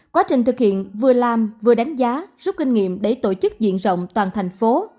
quá trình thực hiện vừa làm vừa đánh giá rút kinh nghiệm để tổ chức diện rộng toàn thành phố